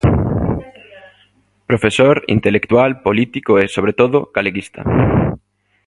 Profesor, intelectual, político e, sobre todo, galeguista.